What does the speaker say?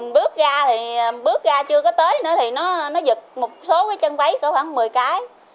bước ra thì bước ra chưa có tới nữa thì nó giật một số cái chân váy có khoảng một mươi cái